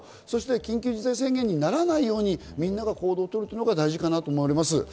そして緊急事態宣言にならないように、みんなが行動を取るのが大事かなと思います。